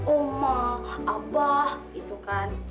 oma abah gitu kan